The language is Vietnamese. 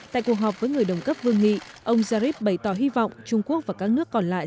tại cuộc họp với người đồng cấp vương nghị ông zarif bày tỏ hy vọng trung quốc và các nước còn lại